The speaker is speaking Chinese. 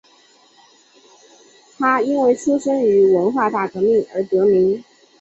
他因为出生于文化大革命而得名。